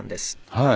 はい。